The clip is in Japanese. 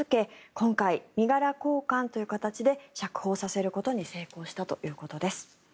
今回、身柄交換という形で釈放させることに成功したということです。